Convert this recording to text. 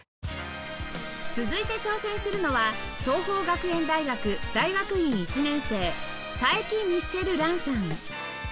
続いて挑戦するのは桐朋学園大学大学院１年生佐伯ミッシェル藍さん